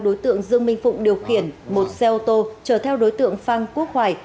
đối tượng dương minh phụng điều khiển một xe ô tô chở theo đối tượng phan quốc hoài